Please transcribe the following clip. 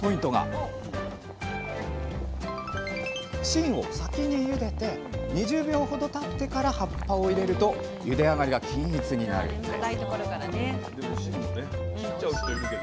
芯を先にゆでて２０秒ほどたってから葉っぱを入れるとゆであがりが均一になるんです